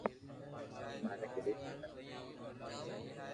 ماري گھري جھگڙا گڻا ھوئي ھي